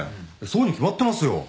そうに決まってますよ。